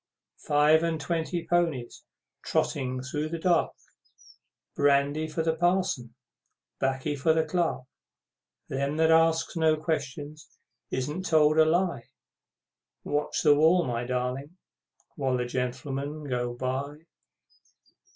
Five and twenty ponies, Trotting through the dark, Brandy for the Parson, 'Baccy for the Clerk; Them that asks no questions isn't told a lie, Watch the wall, my darling, while the Gentlemen bo by!